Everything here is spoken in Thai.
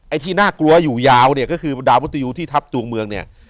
ที่น่ากลัวอยู่ยาวเนี่ยก็คือดาวมุตยูที่ทัพดวงเมืองเนี่ย